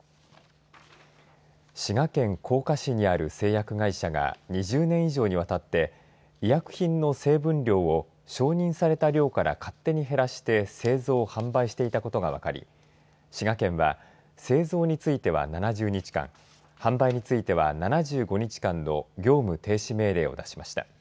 滋賀県甲賀市にある製薬会社が２０年以上にわたって医薬品の成分量を承認された量から勝手に減らして製造、販売していたことが分かり滋賀県は製造については７０日間販売については７５日間の業務停止命令を出しました。